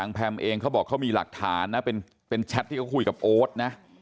แพมเองเขาบอกเขามีหลักฐานนะเป็นแชทที่เขาคุยกับโอ๊ตนะ